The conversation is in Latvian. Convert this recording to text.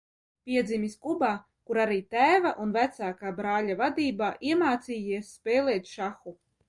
Piedzimis Kubā, kur arī tēva un vecākā brāļa vadībā iemācījies spēlēt šahu.